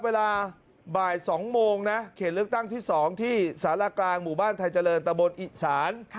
เวลาบ่าย๒โมงนะเขตเลือกตั้งที่๒ที่สารกลางหมู่บ้านไทยเจริญตะบนอิสาน